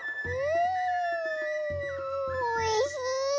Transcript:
んおいしい！